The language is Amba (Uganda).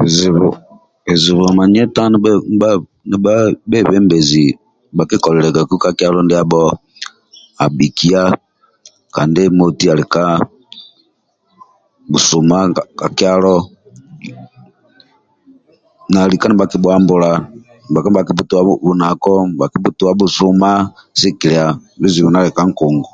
Bizibu bizibu manyeta ndibha ndibha ndibha bhebembezi bhakikoliliagaku ka kyalo ndiabho abhikia kandi moti ali ka bhusuma ka kyalo na lika nibhakibhuambula lika nibhakibhutua bhunako lika nibhakibhutua bhusuma sigikikia bizibu ndia ali ka nkungu